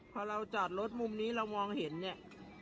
พอเราจอดรถมุมนี้เรามองเห็นเนี่ย